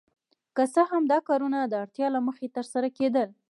که څه هم دا کارونه د اړتیا له مخې ترسره کیدل.